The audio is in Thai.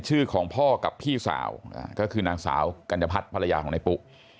ชื่อของพ่อกับพี่สาวก็คือนางสาวกัณฑัตรภรรยาของปุ